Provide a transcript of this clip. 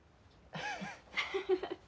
フフフフ。